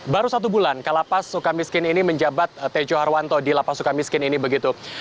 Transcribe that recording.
baru satu bulan kalapas suka miskin ini menjabat tejo harwanto di lapas suka miskin ini begitu